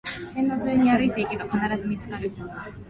線路沿いに歩いていけば必ず見つかる